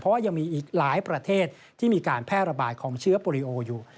เพราะว่ายังมีอีกหลายประเทศที่มีการแพร่ระบาดของเชื้อโปรดิโออยู่